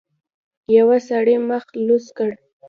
يوه سړي مخ لوڅ کړ.